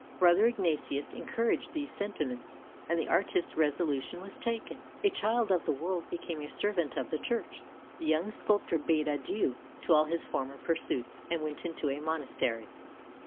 Brother Ignatius encouraged these sentiments, and the artist's resolution was taken. A child of the world became a servant of the Church: the young sculptor bade adieu to all his former pursuits, and went into a monastery.